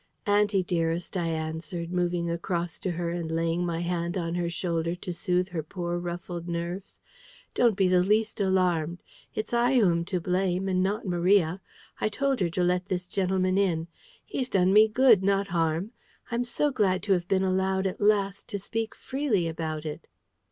"Auntie dearest," I answered, moving across to her, and laying my hand on her shoulder to soothe her poor ruffled nerves, "don't be the least alarmed. It's I who'm to blame, and not Maria. I told her to let this gentleman in. He's done me good, not harm. I'm so glad to have been allowed at last to speak freely about it!"